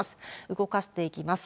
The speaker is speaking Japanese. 動かしていきます。